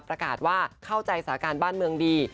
ประกาศว่าเข้าใจสาการบ้านเมืองดี